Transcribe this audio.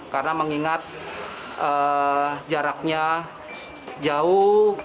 karena mengingat jaraknya jauh